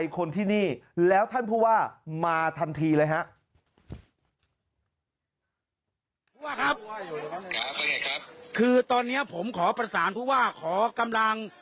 คือตอนนี้ผมขอประสานผู้ว่าขอกำลัง